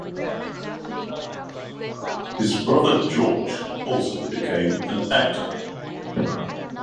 His brother George also became an actor.